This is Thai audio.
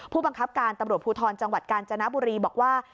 ผู้บังคับการตำรวจภูทรจังหวัดกาญจนบุรีบอกว่า